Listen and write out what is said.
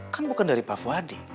kan bukan dari pak fuadi